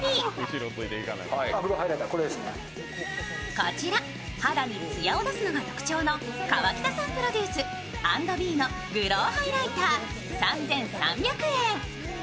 こちら肌に艶を出すのが特徴の河北さんプロデュース、＆ｂｅのグロウハイライター３３００円。